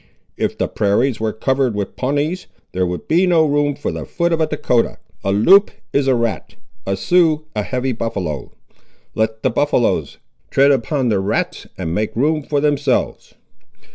If the prairies were covered with Pawnees, there would be no room for the foot of a Dahcotah. A Loup is a rat, a Sioux a heavy buffaloe; let the buffaloes tread upon the rats and make room for themselves.